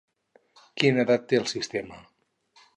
Quina edat té el sistema?